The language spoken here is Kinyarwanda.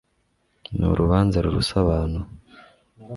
ni urubanza ruruse abantu